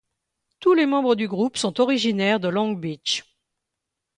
Tous les membres du groupe sont originaires de Long Beach.